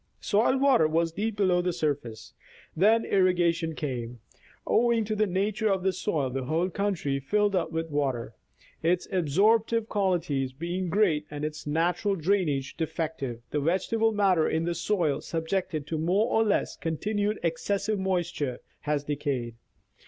Soil water was deep below the surface. Then irrigation came. Owing to the nature, of the soil, the whole country filled up with the water. Its absorptive qualities being great and its natural drainage defective, the vegetable matter in the soil, subjected to more or less continued excessive moisture, has decayed.